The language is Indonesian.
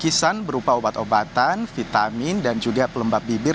kisah berupa obat obatan vitamin dan juga pelembab bibir